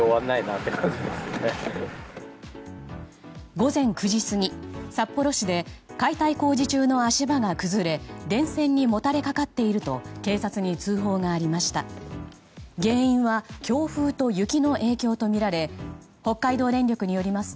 午前９時過ぎ札幌市で解体工事中の足場が崩れ電線にもたれかかっていると警察に通報がありました。